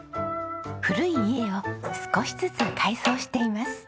古い家を少しずつ改装しています。